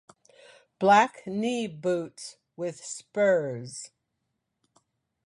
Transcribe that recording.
Black knee boots with spurs.